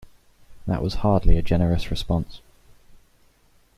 That was hardly a generous response.